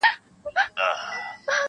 د زړه ښار کي مي آباده میخانه یې-